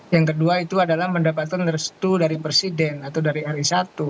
yang kedua itu adalah mendapatkan restu dari presiden atau dari ri satu